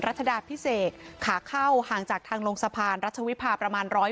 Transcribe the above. รัชดาพิเศษขาเข้าห่างจากทางลงสะพานรัชวิภาประมาณ๑๐๐